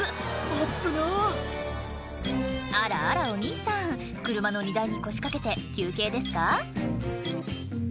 危なっあらあらお兄さん車の荷台に腰かけて休憩ですか？